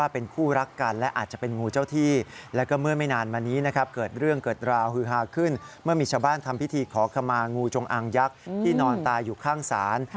พิธีขอขมางูจงอังยักษ์ที่นอนตายอยู่ข้างศาล